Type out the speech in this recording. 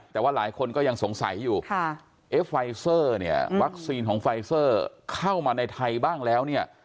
แต่ว่าหลายคนก็ยังสงสัยอยู่เอ๊ะไฟเซอร์เนี่ยวัคซีนของไฟเซอร์เข้ามาในไทยบ้างแล้วเนี่ย